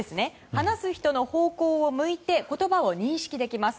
話す人の方向を向いて言葉を認識できます。